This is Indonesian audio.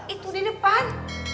itu dia depan